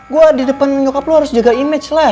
gue di depan nyokap lu harus jaga image lah